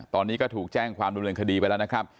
ตอนนี้ก็ถูกแจ้งความดำเนินคดีไปแล้วนะครับ